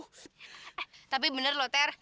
eh tapi bener loh ter